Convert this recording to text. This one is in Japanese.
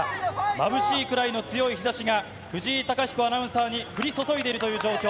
まぶしいくらいの強い日ざしが、藤井貴彦アナウンサーに降り注いでいるという状況。